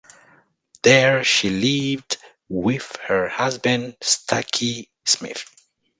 There she lived with her husband Stokey Smith.